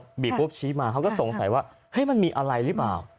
เรารถมาที่รถเขาก็สงสัยว่ามันมีอะไรรึเปล่า